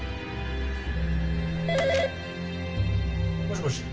☎もしもし。